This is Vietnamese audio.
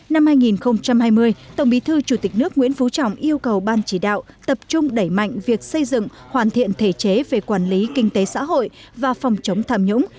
năm hai nghìn hai mươi tổng bí thư chủ tịch nước nguyễn phú trọng yêu cầu ban chỉ đạo tập trung đẩy mạnh việc xây dựng hoàn thiện thể chế về quản lý kinh tế xã hội và phòng chống tham nhũng